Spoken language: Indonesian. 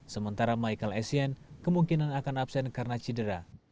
sementara michael essien kemungkinan akan absen karena cedera